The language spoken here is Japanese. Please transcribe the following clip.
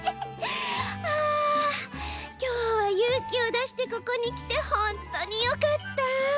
あきょうはゆうきをだしてここにきてほんとうによかった！